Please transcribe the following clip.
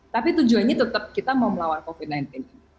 tapi tujuannya tetap kita mau melawan covid sembilan belas ini